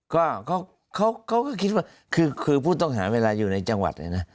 ก็เขาก็คิดว่าคือผู้ต้องหาเวลาอยู่ในจังหวัดเลยนะ